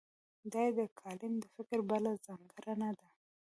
دا یې د کالم د فکر بله ځانګړنه ده.